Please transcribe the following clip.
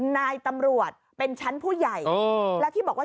นายตำรวจเป็นชั้นผู้ใหญ่แล้วที่บอกว่า